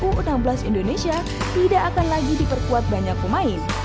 u enam belas indonesia tidak akan lagi diperkuat banyak pemain